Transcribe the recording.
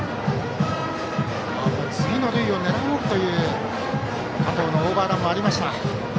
次の塁を狙おうという加藤のオーバーランもありました。